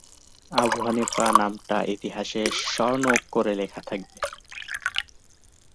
আল-মুকতাদির তার মুখোমুখি হওয়ার চেষ্টা করেন এবং পরবর্তী যুদ্ধে নিহত হন।